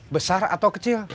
besar atau kecil